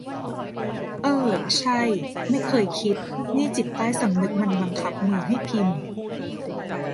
เอ้อ ใช่ ไม่เคยคิด นี่จิตใต้สำนึกมันบังคับมือให้พิมพ์ !